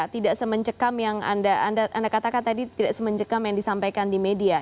tidak semencekam yang anda katakan tadi tidak semencekam yang disampaikan di media